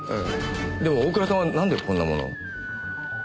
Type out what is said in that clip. でも大倉さんはなんでこんなものを？